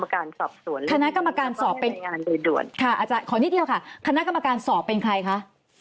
คณะกรรมการสอบเป็นใครคะ